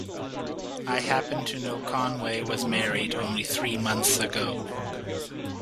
I happen to know Conway was married only three months ago.